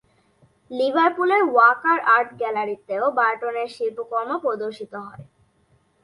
লিভারপুলের Walker art গ্যালারিতেও বার্টনের শিল্পকর্ম প্রদর্শিত হয়।